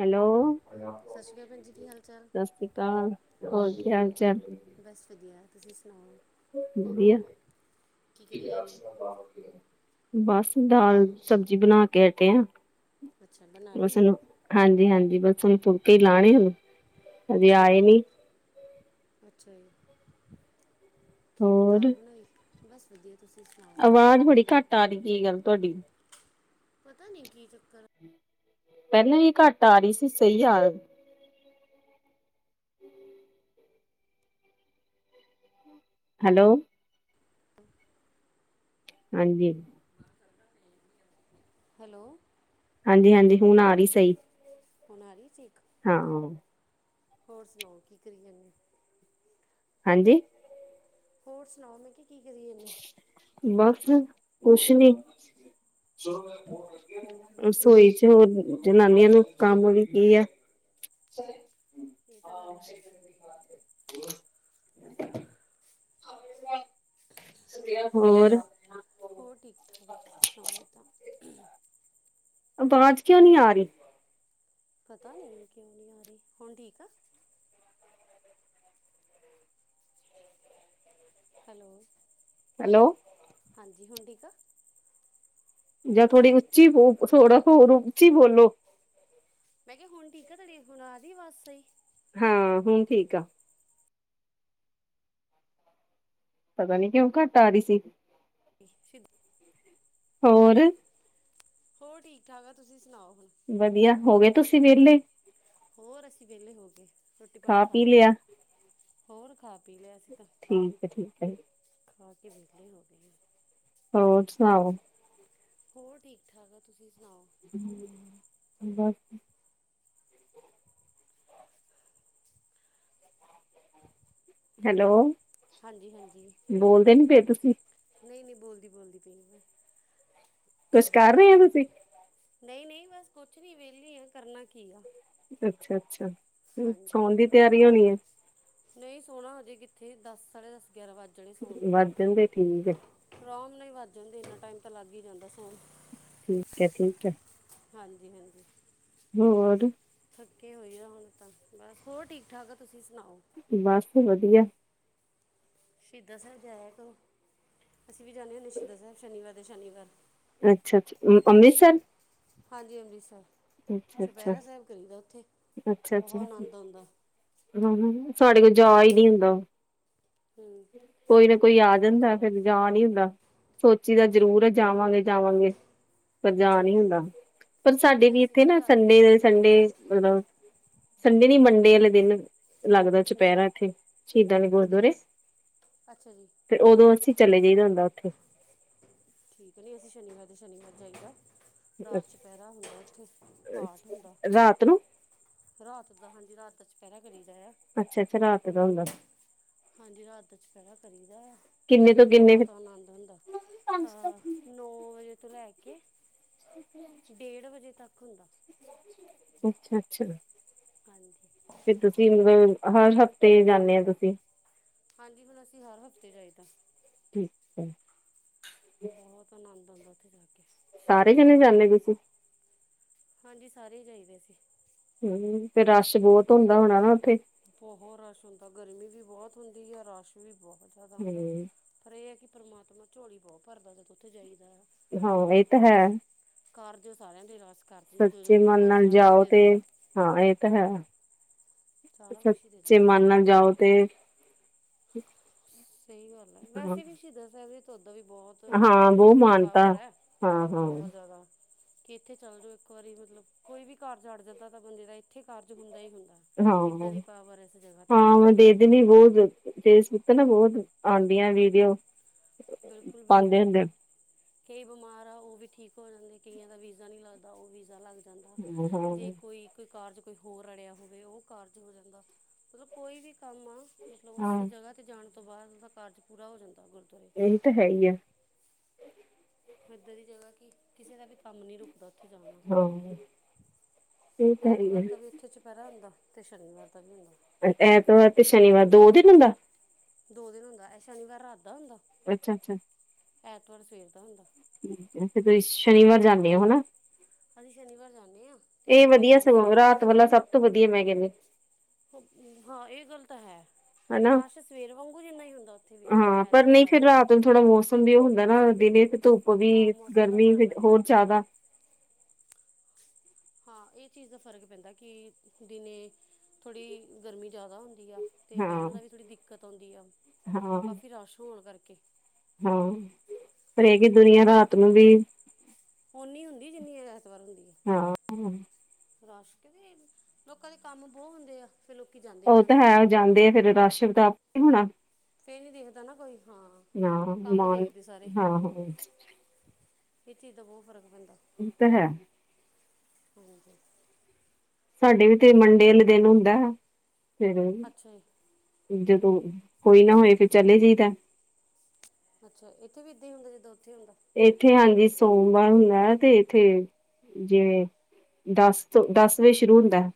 Hello ਸਤਿ ਸ਼੍ਰੀ ਅਕਾਲ ਭੈਣ ਜੀ ਕੀ ਹਾਲ ਚਾਲ ਤਾਂ ਹੋਰ ਕੀ ਹਾਲ ਚਾਲ ਬਸ ਵਧੀਆ ਤੁਸੀਂ ਸੁਣਾਓ ਵਧੀਆ ਕੀ ਕਰੀ ਜਾਨੇ ਬਸ ਦਾਲ ਸਬਜ਼ੀ ਬਣਾ ਕੇ ਹਟੇ ਆ। ਅੱਛਾ ਬਣਾ ਲਈ? ਹਾਂਜੀ-ਹਾਂਜੀ, ਬਸ ਹੁਣ ਫੁਲਕੇ ਹੀ ਲਾਣੇ ਹਜੇ ਆਏ ਨੀ। ਠੀਕ, ਅੱਛਾ ਜੀ। ਕੀ ਦਾਲ ਹੋਰ ਬਣਾਈ, ਬਸ ਵਧੀਆ ਤੁਸੀਂ ਸੁਣੋਂ। ਆਵਾਜ਼ ਬੜੀ ਘੱਟ ਆ ਰਹੀ ਕੀ ਗੱਲ ਤੁਹਾਡੀ? ਪਤਾ ਨਹੀਂ ਕੀ ਚੱਕਰ ਏ। ਪਹਿਲਾਂ ਵੀ ਘੱਟ ਆ ਰਹੀ ਸੀ, ਸਹੀ ਆ ਰ ਹੈਲੋ। [inaudible] ਹਾਂਜੀ। ਹੈਲੋ। ਹਾਂਜੀ- ਹਾਂਜੀ, ਹੁਣ ਆ ਰਹੀ ਸਹੀ। ਹੋਣ ਆ ਰਹੀ ਠੀਕ? ਹਾਂ। ਹੋਰ ਸੁਣਾਓ, ਕੀ ਕਰੀ ਜਾਂਦੇ ਐ? ਹਾਂਜੀ। ਹੋਰ ਸੁਣਾਓ, ਮੈਂ ਕਿਹਾ ਕੀ ਕਰੀ ਜਾਣੇ। ਬੱਸ, ਕੁੱਛ ਨੀ। ਵਿਹਲੇ ਰਸੋਈ ਚ ਹੋਰ ਜਨਾਨੀਆਂ ਨੂੰ ਕੰਮ ਵੀ ਕੀ ਏ। ਇਹ ਤਾਂ ਗੱਲ ਹੈ ਤੁਹਾਡੀ। ਵਧੀਆ ਹੋਰ। ਹੋਰ ਠੀਕ-ਠਾਕ ਆ, ਤੁਸੀਂ ਸੁਣਾਓ ਕਿਦਾਂ? ਆਵਾਜ਼ ਕਿਉਂ ਨਹੀਂ ਆ ਰਹੀ? ਪਤਾ ਨੀ ਕਿਉਂ ਨੀ ਆ ਰਹੀ, ਹੁਣ ਠੀਕ ਆ। ਹੈਲੋ। ਹੈਲੋ। ਹਾਂਜੀ, ਹੁਣ ਠੀਕ ਆ। ਜਾਂ ਥੋੜ੍ਹੀ ਉੱਚੀ ਬ, ਥੋੜਾ ਹੋਰ ਉੱਚੀ ਬੋਲੋ। ਮੈਂ ਕਿਹਾ ਹੁਣ ਠੀਕ ਆ ਤਾਡੀ, ਹੁਣ ਆ ਰਹੀ ਆਵਜ ਸਹੀ। ਹਾਂ, ਹੁਣ ਠੀਕ ਆ। ਪਤਾ ਨੀ ਕਿਉਂ ਘੱਟ ਆ ਰਹੀ ਸੀ? [unintelligible] ਹੋਰ। ਹੋਰ ਠੀਕ-ਠਾਕ ਆ। ਤੁਸੀਂ ਸੁਣਾਓ ਹੁਣ ਵਧੀਆ, ਹੋ ਗਏ ਤੁਸੀਂ ਵਿਹਲੇ? ਹੋਰ ਅਸੀਂ ਵਿਹਲੇ ਹੋ ਗਏ। ਰੋਟੀ ਪਾਣੀ ਖਾ ਲਿਆ ਸੀ। ਹੋਰ ਖਾ ਪੀ ਲਿਆ ਅਸੀ ਤਾਂ। ਠੀਕ ਐ, ਠੀਕ ਐ। ਖਾ ਕੇ ਵਿਹਲੇ ਹੋ ਗਏ ਆ। ਹੋਰ ਸੁਣਾਓ। ਹੋਰ ਠੀਕ -ਠਾਕ ਆ, ਤੁਸੀਂ ਸੁਣਾਓ। ਹੂੰ, ਬਸ। ਹੈਲੋ। ਹਾਂਜੀ-ਹਾਂਜੀ। ਬੋਲਦੇ ਨੀ ਪਏ ਤੁਸੀਂ ਨਈ-ਨਈ ਬੋਲਦੀ-ਬੋਲਦੀ ਪਈ ਆ। ਕੁਛ ਕਰ ਰਹੇ ਹੋਰ ਹੋ ਤੁਸੀਂ ਨਈ-ਨਈ ਬੱਸ ਕੁੱਛ ਨੀ ਵਿਹਲੀ ਆ, ਕਰਨਾ ਕੀ ਆ। ਅੱਛਾ -ਅੱਛਾ। ਫ ਸੋਣ ਦੀ ਤਿਆਰੀ ਹੋਣੀ ਐ। ਨਈ ਸੋਹਣਾ ਹਜੇ ਕਿੱਥੇ, ਦੱਸ- ਸਾਢੇ ਦਸ- ਗਿਆਰਾਂ ਵੱਜ ਜਾਣੇ ਸੋਣ ਨੂੰ। ਵੱਧ ਜਾਂਦੇ ਠੀਕ ਹੈ ਆਰਾਮ ਨਾਲ ਵੱਜ ਜਾਂਦੇ, ਇੰਨਾ ਟਾਈਮ ਤਾਂ ਲੱਗ ਹੀ ਜਾਂਦਾ ਸੋਣ ਠੀਕ ਐ-ਠੀਕ ਐ। ਹਾਂਜੀ-ਹਾਂਜੀ। ਹੋ ਹੋਰ? ਥੱਕੇ ਹੋਏ ਆ ਹੁਣ ਤਾਂ, ਬੱਸ ਹੋਰ ਠੀਕ-ਠਾਕ ਆ, ਤੁਸੀਂ ਸੁਣਾਓ? ਬੱਸ ਵਧੀਆ। ਸ਼ਹੀਦਾਂ ਸਾਹਿਬ ਜਾਇਆ ਕਰੋ, ਅਸੀਂ ਵੀ ਜਾਂਦੇ ਹੁੰਨੇ ਆ, ਸ਼ਹੀਦਾ ਸਾਹਿਬ ਸ਼ਨੀਵਾਰ ਦੇ ਸ਼ਨੀਵਾਰ। ਅੱਛਾ-ਅੱਛਾ, ਅੰਮ੍ਰਿਤਸਰ? ਹਾਂਜੀ, 'ਅੰਮ੍ਰਿਤਸਰ' ਚੁਪਹਿਰਾ ਸਾਹਿਬ ਕਰੀਦਾ ਉੱਥੇ। ਅੱਛਾ-ਅੱਛਾ, ਬਹੁਤ ਆਨੰਦ ਆਉਂਦਾ ਹ ਹੂੰ, ਸਾਡੇ ਕੋਲ ਜਾ ਹੀ ਨਹੀ ਹੁੰਦਾ। ਹੂੰ ਕੋਈ ਨਾ ਕੋਈ ਆ ਬਹੁਤ ਜਾਂਦਾ, ਜ਼ਿਆਦਾ ਫੇਰ ਜਾ ਨੀ ਹੁੰਦਾ। ਸੋਚੀਦਾ ਜ਼ਰੂਰ ਐ, ਜਾਵਾਂਗੇ-ਜਾਵਾਂਗੇ। ਪਰ ਜਾ ਅੱਛਾ ਨੀ ਹੁੰਦਾ, ਪਰ ਸਾਡੇ ਨਹੀਂ ਵੀ ਅਸੀਂ ਇੱਥੇ ਨਾ ਜਾ ਕੇ ਸੰਡੇ ਆਉਂਦੇ ਦੇ ਨੇ ਸੰਡੇ ਮਤਲਬ ਸੰਡੇ ਨੀ, ਮੰਡੇ ਵਾਲੇ ਦਿਨ ਲੱਗਦਾ ਚੁਪਹਿਰਾ ਜੀ ਇੱਥੇ। ਸ਼ਹੀਦਾਂ ਦੇ ਗੁਰਦੁਆਰੇ ਅੱਛਾ ਜੀ। ਤੇ ਓਹਦੋ ਅਸੀਂ ਚਲੇ ਜਾਈਦਾ ਹੁੰਦਾ, ਉੱਥੇ। ਠੀਕ ਨੀ, ਅਸੀਂ ਸ਼ਨੀਵਾਰ ਦੇ ਸ਼ਨੀਵਾਰ ਜਾਈਦਾ। ਰਾਤ ਚੁਪਹਿਰਾ ਹੁੰਦਾ ਉੱਥੇ, ਪਾਠ ਹੁੰਦਾ। ਰਾਤ ਨੂੰ ਰ੍ਹਾਤ ਦਾ, ਹਾਂਜੀ ਰ੍ਹਾਤ ਦਾ ਚਪਹਿਰਾ ਕਰੀਦਾ ਯਾ। ਅੱਛਾ-ਅੱਛਾ, ਰ੍ਹਾਤ ਦਾ ਹੁੰਦਾ? ਹਾਂਜੀ, ਰਾਤ ਦਾ ਚੋਪਹਿਰਾ ਕਰੀਦਾ ਯਾ, ਕਿੰਨੇ ਤੋਂ ਕਿੰਨੇ ਬਹੁਤ ਆਨੰਦ ਹੁੰਦਾ। ਹਾ ਨੌ ਵਜੇ ਤੋਂ, ਲੈਕੇ ਓ [unintelligible] ਡੇਢ ਵਜੇ ਤੱਕ। ਅੱਛਾ-ਅੱਛਾ, ਹਾਂਜੀ ਫਿਰ ਤੁਸੀਂ, ਮਤਲਬ ਹਰ ਹਫ਼ਤੇ ਜਾਂਨੇ ਹੋ, ਤੁਸੀਂ? ਹਾਂਜੀ, ਹੁਣ ਅਸੀਂ ਹਰ ਹਫ਼ਤੇ ਜਾਈਦਾ। ਠੀਕ ਹੈ। ਬਹੁਤ ਆਨੰਦ ਆਉਂਦਾ ਉੱਥੇ ਜਾਕੇ। ਸਾਰੇ ਜਣੇ ਜਾਂਦੇ, ਤੁਸੀ? ਹਾਂਜੀ, ਸਾਰੇ ਈ ਜਾਈਦੇ ਅਸੀ। ਹੂੰ, ਤੇ ਰਸ਼ ਬਹੁਤ ਹੁੰਦਾ ਹੋਣਾ ਨਾ, ਉੱਥੇ? ਬਹੁਤ ਰਸ਼ ਹੁੰਦਾ। ਗਰਮੀ ਵੀ ਬਹੁਤ ਹੁੰਦੀ ਆ, ਰਸ਼ ਵੀ ਬਹੁਤ ਜ਼ਿਆਦਾ ਹੁੰਦਾ। ਹੂੰ ਪਰ ਇਹ ਹੈ ਕਿ, ਪਰਮਾਤਮਾ ਝੋਲੀ ਬਹੁਤ ਭਰਦਾ ਜੱਦ ਉੱਥੇ ਜਾਈਦਾ ਆ। ਹਾਂ, ਇਹ ਤਾ ਹੈ। ਕਾਰਜ ਓ ਸਾਰਿਆਂ ਦੇ ਰਾਸ ਕਰ ਦਿੰਦਾ, ਜੋ-ਜੋ ਸੱਚੇ ਮਨ ਮੰਗੋ, ਨਾਲ ਸਾਰਾ ਕੁਝ ਜਾਓ ਦੇ ਤੇ ਦਿੰਦਾ। ਹਾਂ ਇਹ ਤਾ ਹੈ, ਸਾਰਾ ਕੁਛ ਹੀ ਦੇ ਸੱਚੇ ਦਿੰਦਾ ਉਹ ਮਨ ਨਾਲ ਜਾਓ, ਤੇ ਅਮ [unintelligible] ਸਹੀ ਗੱਲ ਐ, ਵੈਸੇ ਵੀ ਸ਼ਹੀਦਾਂ ਸਾਹਿਬ ਉਹਦਾ ਵੀ ਬਹੁਤ ਹਾਂ ਬਹੁ ਸ਼ਕਤੀ, ਮਾਨਤਾ ਪੌਵਰ ਐ, ਹਾਂ ਹਾਂ ਬਹੁਤ ਜ਼ਿਆਦਾ। ਕਿ ਇੱਥੇ ਚੱਲ ਜਾਓ ਇੱਕ ਵਾਰੀ ਮਤਲਬ, ਕੋਈ ਵੀ ਕਾਰਜ ਅੜ ਜਾਂਦਾ, ਤਾਂ ਬੰਦੇ ਦਾ ਇੱਥੇ ਕਾਰਜ ਹੁੰਦਾ ਹੀ ਹੁੰਦਾ। ਇੱਦਾਂ ਦੀ ਹਾਂ, ਪਾਵਰ ਇਸ ਜਗ੍ਹਾ 'ਤੇ ਹਾਂ, ਵਧੀ ਜਨੀ ਬਹੁਤ, ਫੇਸਬੁੱਕ ਤੇ ਨਾ ਬਹੁਤ, ਆਂਦੀਆਂ ਵੀਡੀਓ ਪਾਉਂਦੇ ਬਿਲਕੁਲ-ਬਿਲਕੁਲ। ਹੁੰਦੇ ਕਈ ਬਿਮਾਰ ਆ ਉਹ ਵੀ ਠੀਕ ਹੋ ਜਾਂਦੇ, ਕਈਆਂ ਦਾ ਵੀਜ਼ਾ ਨਹੀਂ ਲੱਗਦਾ, ਉਹ ਵੀਜ਼ਾ ਲਗ ਜਾਂਦਾ, ਜੇ ਹਾਂ ਕੋਈ ਇਕ ਕਾਰਜ ਕੋਈ ਹੋਰ ਰੜਿਆ ਹੋਵੇ, ਉਹ ਕਾਰਜ ਹੋ ਜਾਂਦਾ। ਮਤਲਬ ਕੋਈ ਵੀ ਕੰਮ ਆ, ਮਤਲਬ ਉਸ ਹਾਂ ਜਗ੍ਹਾ ਓਥੇ ਜਾਣ ਤੋਂ ਬਾਅਦ, ਉਹਦਾ ਕਾਰਜ ਪੂਰਾ ਹੋ ਜਾਂਦਾ ਗੁਰਦੁਆਰੇ। ਇਹੀ ਤਾ ਹੈਹੀ ਆ। ਇਹਦਾਂ ਦੀ ਜਗ੍ਹਾ ਕੀ, ਕਿਸੇ ਦਾ ਵੀ ਕੰਮ ਨੀ ਰੁਕ ਉੱਥੇ ਜਾਣ ਨਾਲ, ਹਾਂ ਇਹ ਤਾਂ ਹੈ ਹੀ ਐਤਵਾਰ ਆ ਦਾ ਵੀ ਉੱਥੇ ਦੁਪਿਹਰਾ ਹੁੰਦਾ, ਤੇ ਸ਼ਨੀਵਾਰ ਦਾ ਵੀ ਹੁੰਦਾ। ਐਤਵਾਰ ਤੇ ਸ਼ਨੀਵਾਰ, ਦੋ ਦਿਨ ਹੁੰਦਾ? ਦੋ ਦੇਨ ਹੁੰਦਾ ਸ਼ਨੀਵਾਰ ਰਾੱਤ ਦਾ ਹੁੰਦਾ। ਅੱਛਾ, ਅੱਛਾ। ਐਤਵਾਰ ਸਵੇਰ ਦਾ ਹੁੰਦਾ। ਤੁਸੀ ਸ਼ਨੀਵਾਰ ਜਾਂਦੇ ਹੋ ਹਨਾ ਅਸੀ ਸ਼ਨੀਵਾਰ ਜਾਂਨੇ ਆਂ। ਏ ਵਦੀਆ ਸਗੋਂ ਰਾਤ ਵਾਲਾ ਸਭ ਤੋ ਵਦੀਆ ਮੈਂ ਕੈਨੀ। ਹਾਂ ਏ ਗੱਲ ਤਾ ਹੈ। ਹਨਾ ਰਾਸ਼ ਸਵੇਰ ਵਾਂਗੂ ਜਿੰਨਾ ਈ ਹੁੰਦਾ ਉੱਥੇ ਵੀ ਹਾਂ ਪਰ ਐਤਵਾਰ ਨਹੀਂ ਵਾਲਾ ਫਿਰ ਵਾਂਗੂ ਰਾਤ ਨੂੰ ਥੋੜਾ ਮੋਸਮ ਵੀ ਓ ਹੁੰਦਾ ਨਾ ਦਿਨੇ ਤੇ ਧੁੱਪ ਵੀ ਹਾਂ ਮੌਸਮ ਦਾ ਗਰਮੀ ਫ਼ਰਕ ਫੇਰ ਪੈਂਦਾ ਹੋਰ ਜੈਦਾ। ਹਾਂ ਏ ਚੀਜ਼ ਦਾ ਫਰਕ ਪੈਂਦਾ ਕਿ ਦਿਨੇ ਥੋੜੀ ਗਰਮੀ ਜਾਦਾ ਹੁੰਦੀ ਆ। ਤੇ ਹਾਂ ਬੈਣ ਦਾ ਵੀ ਥੋੜੀ ਦਿੱਕਤ ਓਂਦੀ ਆ, ਹਾਂ ਕਾਫੀ ਰਾਸ਼ ਹੋਣ ਕਾਰਕੇ ਹਾਂ, ਪਰ ਏ ਕੀ ਦੁਨੀਆਂ ਰਾਤ ਨੂੰ ਵੀ ਓਨੀ ਹੁੰਦੀ ਜਿਨੀ ਐਤਵਾਰ ਹੁੰਦੀ ਆ ਹਾਂ ਰਾਸ਼ ਕੈਂਦੇ ਲੋਕਾਂ ਦੇ ਕਾੰਮ ਬੋ ਹੁੰਦੇ ਆ। ਫੇ ਲੋਕੀ ਜਾਂ ਓ ਤਾ ਹੈ। ਓ ਜਾਂਦੇ ਐ ਫੇਰ ਰਾਸ਼ [unintelligible] ਹੋਣਾ ਫੇਰ ਏ ਨੀ ਦੇਖਦਾ ਨਾ ਕੋਈ ਹਾਂ, ਹਾਂ ਕਾੰਮ ਮਾਨ ਦੇਖਦੇ ਸਾਰੇ ਹਾਂ ਹਾਂ ਏ ਚੀਜ਼ ਦਾ ਬੋ ਫ਼ਰਕ ਪੈਂਦਾ ਤਾ ਹੈ। [unintelligible] ਸਾਡੇ ਵੀ ਤੇ ਮੰਡੇ ਆਲੇ ਦੇਨ ਹੁੰਦਾ ਐ ਫੇਰ ਅੱਛਾ ਜੀ ਜਦੋਂ ਹੋਈ ਨਾ ਹੋਏ ਫਿਰ ਚਲੇ ਜਈ ਦਾ ਅੱਛਾ, ਏਥੇ ਵੀ ਏਂਦਾ ਈ ਹੁੰਦਾ ਜਦ ਉੱਥੇ ਹੁੰਦਾ। ਏਥੇ ਹਾਂਜੀ ਸੋਮਵਾਰ ਹੁੰਦਾ ਐ, ਤੇ ਏਥੇ ਤੇ ਦਾੱਸ ਤੋ ਦਾੱਸ ਵਜੇ ਸ਼ੁਰੂ ਹੁੰਦੈ।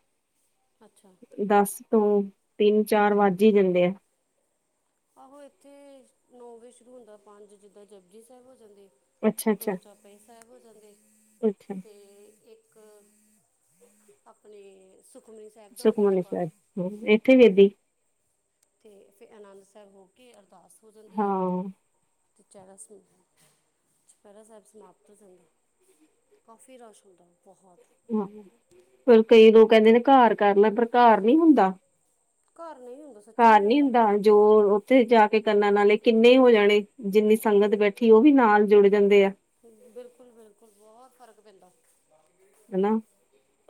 ਅੱਛਾ। ਦਾੱਸ ਤੋਂ ਤਿੰਨ, ਚਾਰ ਵਾੱਜ ਈ ਜਾਂਦੇ ਐ। ਆਹੋ ਐਥੇ ਨੋ ਵਜੇ ਸ਼ੁਰੂ ਹੁੰਦਾ ਪਾੰਜ ਜਿੱਦਾਂ ਜਪਜੀ ਸਾਈਬ ਹੋ ਜਾਂਦੇ ਐ। ਦੋ ਅੱਛਾ-ਅੱਛਾ, ਚੋਪਈ ਸੈਬ ਹੋ ਜਾਂਦੇ, ਅੱਛਾ ਅੱਛਾ ਤੇ ਏਕ ਇੱਕ, ਆਪਣੇ ਸੁਖਮਨੀ ਸੈਬ ਸੁਖਮਨੀ ਸੈਬ, ਏਥੇ ਵੀ ਏਂਦਾ ਈ ਤੇ ਫੇਰ ਆਨੰਦ ਸੈਬ ਹੋ ਕੇ, ਅਰਦਾਸ ਹੋ ਜਾਂਦੀ ਐ। ਹਾਂ, ਤੇ [unintelligible] ਚੋਪੈਰ ਸੈਬ ਸਮਾਪਤ ਹੋ ਜਾਂਦਾ ਕਾਫੀ ਰਾਸ਼ ਹੁੰਦਾ ਬੋਹਤ ਹ, ਪਰ ਕਈ ਲੋਕ ਕੈਂਦੇ ਨੇ ਘਾੱਰ ਕਾਰ ਲਾ, ਪਰ ਘਾੱਰ ਨੀ ਹੁੰਦਾ ਘਾੱਰ ਨੀ ਹੁੰਦਾ ਸ ਘਾੱਰ ਨੀ ਹੁੰਦਾ ਜੋ ਓ ਜਾ ਕੇ ਕਰਨਾ ਨਾਲੇ ਕਿਨੇ ਹੋ ਜਾਣੇ, ਜਿਨੀ ਸੰਗਤ ਬੈਠੀ ਓਵੀ ਨਾਲ ਜੁੜ ਜਾਂਦੇ ਆ। ਬਿਲਕੁਲ, ਬਿਲਕੁਲ ਬੋਹਤ ਫ਼ਰਕ ਪੈਂਦਾ ਹਨਾ-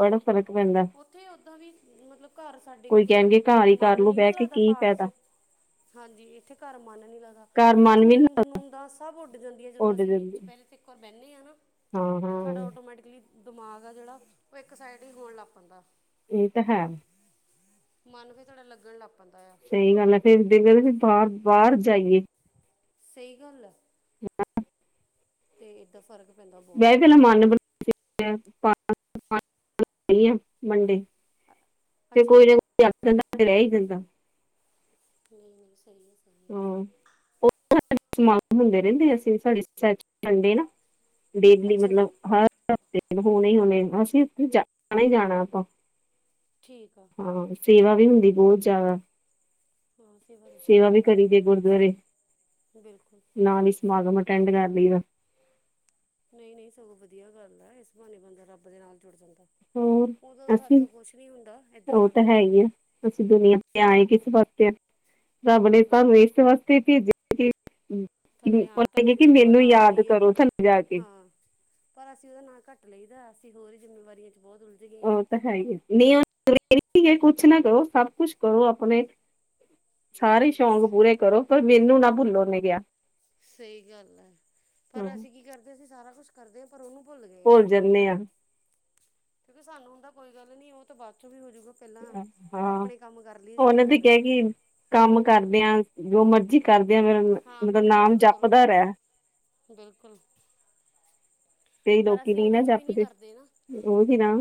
ਬੜਾ ਫ਼ਰਕ ਪੈਂਦਾ ਉਥੇ ਓਦਾਂ ਵੀ ਮਤਲਬ ਘਾੱਰ ਸਾਡੇ ਕੋਲ ਕੋਈ ਕਈ ਵਾਰ ਕਹਿਣਗੇ ਘਰ ਹੀ ਮਨ ਕਰਲੋ ਨੀ ਬਹਿ ਕੇ ਲੱਗਦਾ ਕੀ ਪਾਠ [unintelligible] ਫਾਇਦਾ ਹਾਂਜੀ, ਇੱਥੇ ਘਾੱਰ ਮਨ ਨੀ ਲੱਗਦਾ, ਘਰ ਓਥੇ ਮਨ ਵੀ ਨੀ ਨੀਦ ਨੂੰਦਾਂ ਸਭ ਉੱਡ ਜਾਂਦੀਆਂ ਜਦੋਂ ਉੱਡ ਅਸੀ ਜਾਂਦੀ ਚੁਪੈਰੇ ਤੇ ਏਕ ਵਾਰ ਬੈਨੇ ਆ ਨਾ, ਹਾਂ-ਹਾਂ ਸਾਡਾ ਓਟੋਮੈਟਿਕਲੀ ਦਮਾਗ ਆ ਜੇੜਾ, ਓ ਏਕ ਸਾਈਡ ਈ ਹੋਣ ਲਾੱਗ ਪੈਂਦਾ ਏ ਤਾਂ ਹੈਂ। ਮਾਨ ਵੀ ਥੋੜਾ ਲੱਗਣ ਲਾੱਗ ਪੈਂਦਾ ਆ। ਸਈ ਗਾੱਲ ਐ ਫੇਰ ਦੇਖਦੇ ਵੀ ਬਾਰ, ਬਾਰ ਜਾਈਏ ਸਈ ਗਾੱਲ ਐ। ਹ [inaudible] ਤੇ ਏਦਾ ਫਰਗ ਮੈਂ ਪਹਿ ਮਨ ਬਣਾ ਵੰਡੇ [unintelligible] ਫਿਰ ਅੱਛਾ ਕੋਈ ਜੀ ਰ ਜਾਂਦਾ ਰਹਿ ਹੀ ਜਾਂਦਾ ਨਹੀ ਨਹੀ ਸਹੀ ਹੈ ਸਹੀ ਹੈ ਸਮਾਨ ਹੁੰਦੇ ਰਹਿੰਦੇ ਅਸੀ ਸਾਡੇੰਡੇ ਨਾ ਡੇਲੀ ਅੱਛਾ ਮਤਲਬ ਜੀ ਹਰ ਹਫਤੇ ਹੋਣੇ ਹੋਣੇ ਅਸੀ ਜਾਣਾ ਹੀ ਜਾਣਾ ਆਪਾਂ। ਠੀਕ ਆ ਹਾਂ ਸੇਵਾ ਵੀ ਹੁੰਦੀ ਬਹੁਤ ਜ਼ਿਆਦਾ ਹਾਂ ਸੇਵਾ ਇਥੇ ਵੀ ਬਹੁਤ ਕਦੀ ਹੁੰਦੀ ਜੇ ਹੈ ਗੁਰਦੁਆਰੇ ਬਿਲਕੁਲ ਨਾਲ ਹੀ ਸਮਾਗਮ ਅਟੈਂਡ ਕਰ ਲਈ ਦਾ ਨਹੀਂ ਨਹੀਂ ਸਗੋਂ ਵਧੀਆ ਗੱਲ ਹੈ ਇਸ ਬਹਾਨੇ ਬੰਦਾ ਰੱਬ ਦੇ ਨਾਲ ਜੁੜ ਜਾਂਦਾ। ਹੋਰ ਉਹਦੋ ਸਾਡੇ ਅਸੀਂ ਤੋਂ ਕੁਛ ਨੀ ਹੁੰਦਾ ਏਦਾਂ ਉਹ ਜੋੜ ਤਾਂ ਹੋ ਹੈ ਜਾਂਦਾ। ਹੀ ਆ ਅਸੀਂ ਦੁਨੀਆਂ ਤੇ ਆਏ ਕਿਸ ਵਾਸਤੇ ਰੱਬ ਨੇ ਸਾਨੂੰ ਬਿਲਕੁਲ ਇਸ ਵਾਸਤੇ ਭੇਜਿਆ! ਥੱਲੇ ਉਹ ਹਾਂ ਧਰਤੀ ਕਿ [unintelligible] 'ਤੇ ਆਪਾਂ ਮੈਨੂੰ ਨਾਮ ਯਾਦ ਲਈਏ ਕਰੋ ਸਾਨੂੰ ਜਾ ਕੇ ਹਾਂ ਪਰ ਅਸੀਂ ਉਹਦਾ ਨਾਂ ਘੱਟ ਲਈਦਾ ਅਸੀਂ ਹੋਰ ਹੀ ਜ਼ਿੰਮੇਵਾਰੀਆਂ ਚ ਬਹੁਤ ਉਲਝ ਗਏ ਹਾਂ। [inaudible] ਨਹੀਂ ਕੁਛ ਨਾ ਕਹੋ ਸਭ ਕੁਛ ਕਹੋ ਆਪਣੇ ਸਾਰੇ ਈ ਸ਼ੌਕ ਪੂਰੇ ਕਰੋ ਪਰ ਮੈਨੂੰ ਨਾ ਭੁੱਲੋ ਉਹਨੇ ਕਿਹਾ। ਸਹੀ ਗੱਲ ਹੈ ਪਰ ਅਸੀਂ ਕੀ ਕਰਦੇ ਅਸੀਂ ਸਾਰਾ ਕੁਛ ਕਰਦੇ ਹਾਂ ਪਰ ਉਹਨੂੰ ਭੁੱਲ ਗਏ ਆ। ਜਾਂਦੇ ਆ ਕਿਉਂਕਿ ਸਾਨੂੰ ਹੁੰਦਾ ਕੋਈ ਗੱਲ ਨੀ ਉਹ ਤਾਂ ਬਾਅਦ ਚੋਂ ਵੀ ਹੋਜੂਗਾ। ਪਹਿਲਾਂ ਹਾਂ ਆਪਣੇ ਕੰਮ ਕਰ ਲਈਏ ਜਿਹੜੇ ਉਹਨੇ ਤੇ ਹੋ ਕਿਹਾ ਰਹੇ ਆ ਕਿ ਕੰਮ ਕਰਦੇਆਂ ਜੋ ਮਰਜੀ ਕਰਦੇ ਆ ਹਾਂ ਮੇਰਾ ਮੈਨੂੰ ਨਾਮ ਯਾਦ ਕਰੋ ਜਪਦਾ ਕਰੋ ਰਿਹਾ ਬਿਲਕੁਲ ਪਰ ਅਸੀ ਉਹਦੇ ਚ ਵੀ ਨਹੀ ਕਰਦੇ ਨਾ। ਓਗੀ ਨਾ-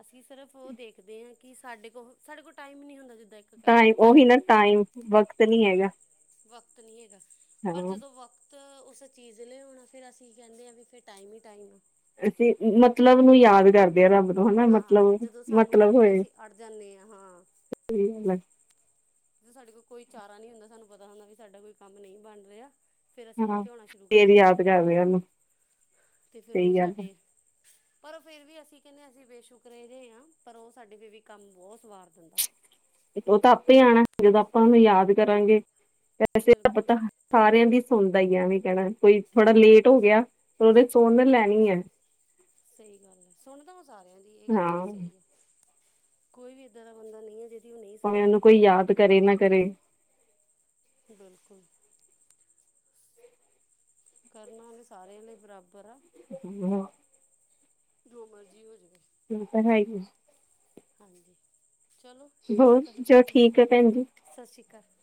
ਅਸੀ ਸਿਰਫ ਉਹ ਦੇਖਦੇ ਹਾਂ ਕਿ ਸਾਡੇ ਕੋਲ ਸਾਡੇ ਕੋਲ ਟਾਈਮ ਹੀ ਨਹੀ ਹੁੰਦਾ ਜਿੱਦਾਂ ਇੱਕ ਕਹਿ ਲਓ ਟਾਈਮ ਕਿ ਉਹੀ ਨਾ ਟਾਈਮ ਵਕਤ ਨਹੀ ਹੈਗਾ। ਵਕਤ ਨਹੀ ਹੈਗਾ ਪਰ ਹਾਂ ਜਦੋ ਵਕਤ ਤਾਂ ਉਸ ਚੀਜ਼ ਲ ਆਣਾ ਫੇਰ ਅਸੀ ਕਹਿਦੇ ਆ ਵੀ ਫਿਰ ਟਾਈਮ ਹੀ ਟਾਈਮ। ਅਸੀ ਮਤਲਬ ਨੂੰ ਯਾਦ ਕਰ ਰੱਬ ਤੋਂ ਹਨਾ ਹਾਂ ਮਤਲਬ ਜਦੋਂ ਸਾਨੂੰ ਮਤਲਬ ਕਿਤੇ ਹੋਏ ਅਸੀਂ ਅੜ ਜਾਂਦੇ ਹਾਂ ਹਾਂ ਸਹੀ ਜਦੋਂ ਸਾਡੇ ਕੋਲ ਕੋਈ ਚਾਰਾ ਨਹੀ ਹੁੰਦਾ ਸਾਨੂੰ ਪਤਾ ਹੁੰਦਾ ਵੀ ਸਾਡਾ ਕੋਈ ਕੰਮ ਨਹੀ ਬਣ ਰਿਹਾ ਫੇਰ ਅਸੀਂ ਉਹਨੂੰ ਹਾਂ ਧਿਆਉਣਾ ਸ਼ੁਰੂ ਫੇਰ ਕਰਦੇ ਹਾਂ ਯਾਦ ਕਰਦੇ ਉਹਨੂੰ ਤੇ ਫੇਰ ਸਹੀ ਉਹ ਗੱਲ ਸਾਡੇ ਪਰ ਫੇਿਰ ਵੀ ਅਸੀਂ ਕਹਿੰਦੇ ਅਸੀਂ ਬੇਸ਼ੁਕ ਰਹਿ ਜਿਹੇ ਹਾਂ ਪਰ ਉਹ ਸਾਡੇ ਫ ਵੀ ਕੰਮ ਬਹੁਤ ਸਵਾਰ ਦਿੰਦਾ। ਉਹ ਤਾਂ ਆਪੇ ਆਉਣਾ ਜਦੋਂ ਆਪਾਂ ਉਹਨੂੰ ਯਾਦ ਕਰਾਂਗੇ ਤਾਂ। ਬਿਲਕੁਲ [unintelligible] ਸਾਰਿਆਂ ਦੀ ਸੁਣਦਾ ਹੀ ਐਵੇਂ ਕਹਿਣਾ ਕੋਈ ਥੋੜਾ ਲੇਟ ਹੋ ਗਿਆ। ਉਹਨੇ ਸੁਨ ਲੈਣੀ ਹੈ। ਸਹੀ ਗੱਲ ਹੈ ਸੁਣਦਾ ਉਹ ਸਾਰਿਆਂ ਦੀ ਇਹ ਗੱਲ ਤੁਹਾਡੀ ਹਾਂ ਸਹੀ ਹੈ। ਕੋਈ ਵੀ ਇਏਦਾਂ ਦਾ ਬੰਦਾ ਨਹੀਂ ਹੈ ਜ ਭਾਵੇਂ ਉਹਨੂੰ ਕੋਈ ਯਾਦ ਕਰੇ ਨਾ ਕਰੇ ਬਿਲਕੁਲ! ਕਰਨਾ ਉਹਨੇ ਸਾਰਿਆਂ ਲਈ ਬਰਾਬਰ ਆ। ਹਮ। ਜੋ ਮਰਜ਼ੀ ਹੋ ਜਵੇ। [unintelligible] ਹਾਂਜੀ ਚਲੋ। ਬਹੁਤ ਠੀਕ ਆ ਫਿਰ ਜੋ ਭੈਣ ਜੀ ਠੀਕ ਹੈ ਭੈਣ ਜੀ। ਸਤਿ ਸ਼੍ਰੀ ਅਕਾਲ!